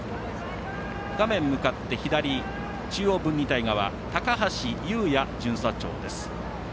画面向かって左、中央分離帯側高橋湧也巡査長です。